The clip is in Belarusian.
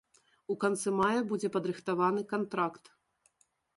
У канцы мая будзе падрыхтаваны кантракт.